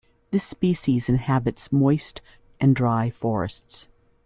This species inhabits moist and dry forests.